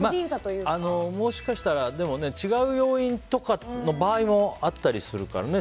もしかしたら、違う要因とかの場合もあったりするからね。